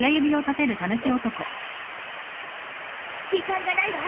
時間がないわ。